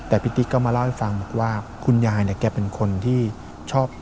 แต่พี่ติ๊กก็มาเล่าให้ฟังบอกว่าคุณยายเนี่ยแกเป็นคนที่ชอบ